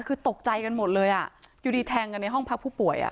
คือตกใจกันหมดเลยอ่ะอยู่ดีแทงกันในห้องพักผู้ป่วย